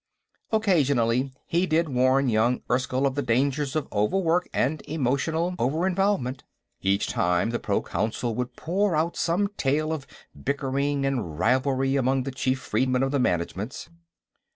Occasionally, he did warn young Erskyll of the dangers of overwork and emotional over involvement. Each time, the Proconsul would pour out some tale of bickering and rivalry among the chief freedmen of the Managements.